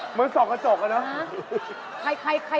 เหมือนส่องกระจกอะเนาะ